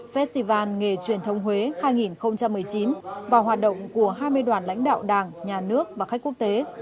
festival nghề truyền thống huế hai nghìn một mươi chín và hoạt động của hai mươi đoàn lãnh đạo đảng nhà nước và khách quốc tế